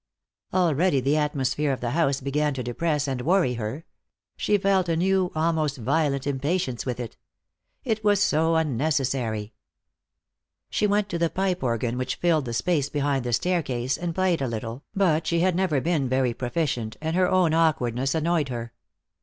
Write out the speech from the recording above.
Already the atmosphere of the house began to depress and worry her; she felt a new, almost violent impatience with it. It was so unnecessary. She went to the pipe organ which filled the space behind the staircase, and played a little, but she had never been very proficient, and her own awkwardness annoyed her.